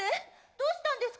どうしたんですか？